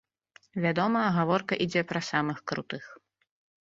Вядома, гаворка ідзе пра самых крутых.